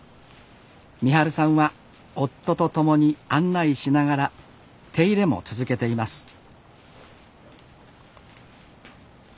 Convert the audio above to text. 美晴さんは夫と共に案内しながら手入れも続けています